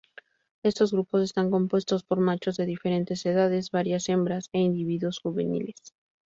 Estos grupos están compuestos por machos de diferentes edades, varias hembras e individuos juveniles.